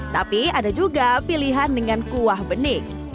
tapi ada juga pilihan dengan kuah bening